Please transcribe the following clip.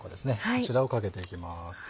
こちらをかけていきます。